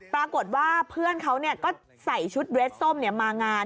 ปรากฏว่าเพื่อนเขาก็ใส่ชุดเรสส้มมางาน